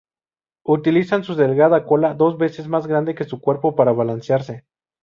Utilizan su delgada cola, dos veces más grande que su cuerpo para balancearse.